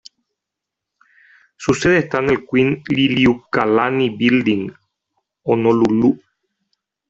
Su sede está en el Queen Liliuokalani Building, Honolulu.